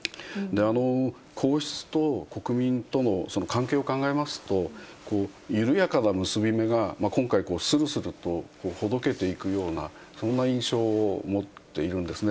皇室と国民との関係を考えますと、緩やかな結び目が今回、するするとほどけていくような、そんな印象を持っているんですね。